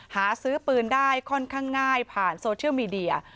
หาซื้อปืนได้ค่อนข้างง่ายผ่านโซเชียลมีเดีย